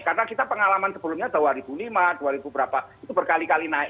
karena kita pengalaman sebelumnya dua ribu lima dua ribu berapa itu berkali kali naik